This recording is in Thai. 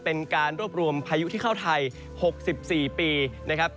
เป็นการรวบรวมพายุที่เข้าไทย๖๔ปีนะครับ